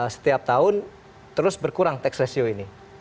setiap tahun terus berkurang tax ratio ini